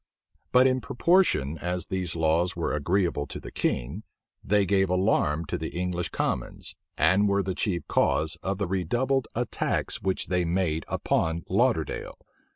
But in proportion as these laws were agreeable to the king, they gave alarm to the English commons, and were the chief cause of the redoubled attacks which they made upon Lauderdale.